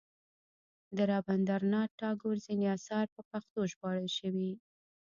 د رابندر ناته ټاګور ځینې اثار په پښتو ژباړل شوي.